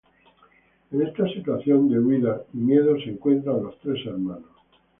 En esta situación de huida y miedo se encuentran los tres hermanos.